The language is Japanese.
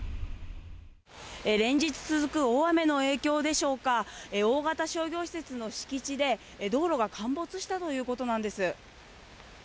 連日続く大雨の影響でしょうか大型商業施設の敷地で道路が陥没したということなんです。